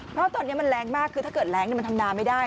เพราะตอนนี้มันแรงมากคือถ้าเกิดแรงมันทำนาไม่ได้